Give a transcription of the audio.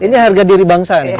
ini harga diri bangsa nih